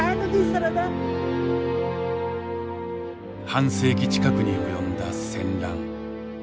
半世紀近くに及んだ戦乱。